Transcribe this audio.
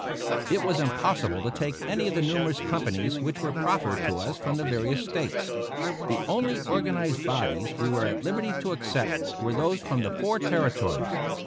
It was impossible to take any of the numerous companies which were proffered to us from the various States. The only organized bodies we were at liberty to accept were those from the four Territories.